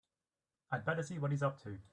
I'd better see what he's up to.